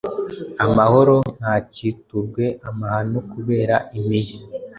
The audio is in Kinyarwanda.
Amahoro ntakiturwe amahano kubera impiya